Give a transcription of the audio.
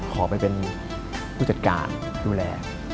ขอไปเป็นผู้จัดการดูแล